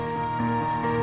dan memus situations